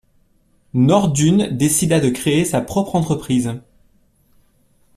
Noorduyn décida de créer sa propre entreprise.